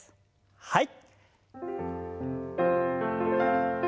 はい。